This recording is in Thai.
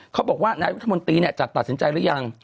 เขาบอกว่านายกรัฐมนตรีเนี่ยจะตัดสินใจหรือยัง